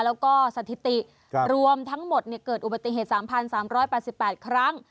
แล้วก็สถิติรวมทั้งหมดเกิดอุบัติเหตุ๓๓๘๘ครั้ง